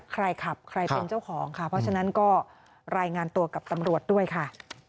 ใครขับใครเป็นเจ้าของค่ะเพราะฉะนั้นก็รายงานตัวกับตำรวจด้วยค่ะ